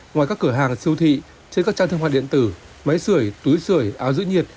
ngoài các cửa hàng siêu thị trên các trang thương mại điện tử máy sửa túi sửa áo giữ nhiệt